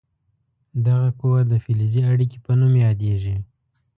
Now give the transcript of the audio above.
دغه قوه د فلزي اړیکې په نوم یادیږي.